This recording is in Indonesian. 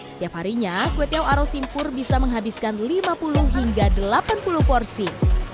setiap harinya kue tiaw aro simpur bisa menghabiskan lima puluh hingga delapan puluh porsi